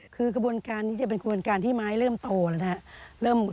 คือกระบวนการนี้จะเป็นกระบวนการที่ไม้เริ่มโตแล้วนะครับ